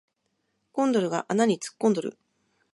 コンドルが穴に突っ込んどる